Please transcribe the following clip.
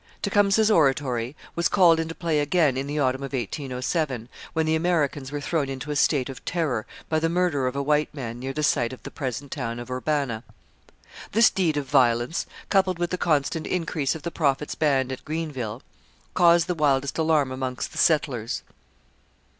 Tecumseh's oratory was called into play again in the autumn of 1807, when the Americans were thrown into a state of terror by the murder of a white man near the site of the present town of Urbana. This deed of violence, coupled with the constant increase of the Prophet's band at Greenville, caused the wildest alarm among the settlers.